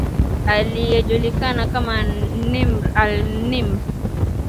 aliyejulikana kama Nimr alNimr